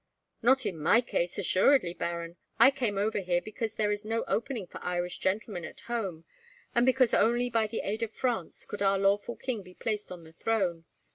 "Not in my case, assuredly, Baron. I came over here because there is no opening for Irish gentlemen at home, and because only by the aid of France could our lawful king be placed on the throne.